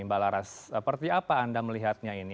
mbak laras seperti apa anda melihatnya ini